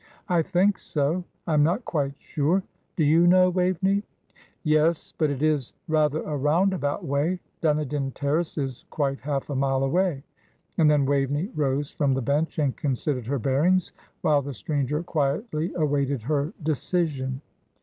"I think so. I am not quite sure. Do you know, Waveney?" "Yes, but it is rather a roundabout way. Dunedin Terrace is quite half a mile away;" and then Waveney rose from the bench and considered her bearings, while the stranger quietly awaited her decision.